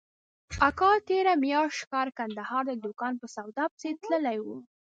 اکا تېره مياشت ښار کندهار ته د دوکان په سودا پسې تللى و.